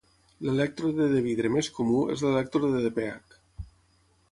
L'elèctrode de vidre més comú és l'elèctrode de pH.